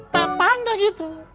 tak pandang itu